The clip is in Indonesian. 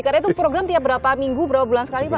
karena itu program tiap berapa minggu berapa bulan sekali pak